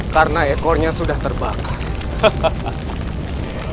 karena ekornya sudah terbakar